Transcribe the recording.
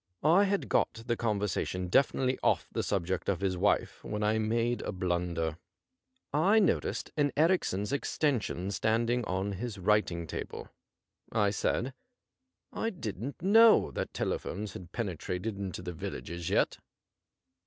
I had got the conversation definitely off the subject of his wife when 1 made a blunder. I noticed an Erichsen's extension standing on his writinff table. I said :' I didn't know that telephones had penetrated into the villages yet.'